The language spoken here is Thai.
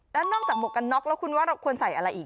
แล้วนอกจากหมวกกันน็อกแล้วคุณว่าเราควรใส่อะไรอีก